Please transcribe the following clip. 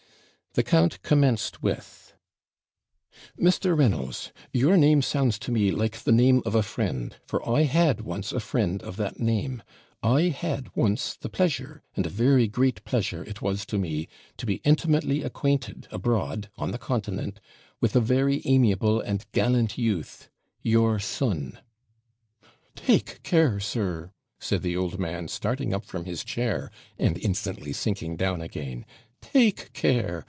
The count commenced with 'Mr. Reynolds, your name sounds to me like the name of a friend; for I had once a friend of that name; I had once the pleasure (and a very great pleasure it was to me) to be intimately acquainted abroad, on the Continent, with a very amiable and gallant youth your son!' 'Take care, sir,' said the old man, starting up from his chair, and instantly sinking down again 'take care!